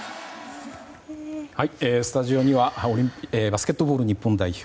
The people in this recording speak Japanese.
スタジオにはバスケットボール日本代表